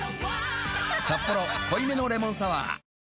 「サッポロ濃いめのレモンサワー」